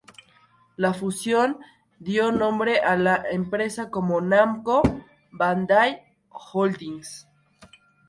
La fusión dio nombre a la empresa como Namco Bandai Holdings.